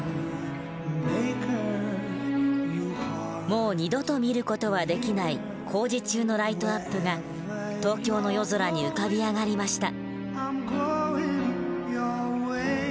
もう二度と見る事はできない工事中のライトアップが東京の夜空に浮かび上がりました。